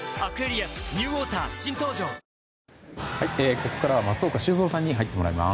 ここからは松岡修造さんに入っていただきます。